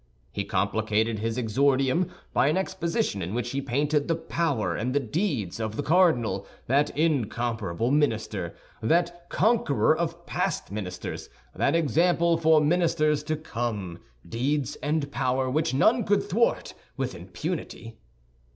He complicated this exordium by an exposition in which he painted the power and the deeds of the cardinal, that incomparable minister, that conqueror of past ministers, that example for ministers to come—deeds and power which none could thwart with impunity.